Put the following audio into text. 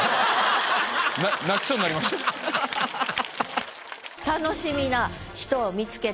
泣きそうになりました。